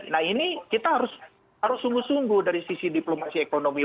nah ini kita harus sungguh sungguh dari sisi diplomasi ekonomi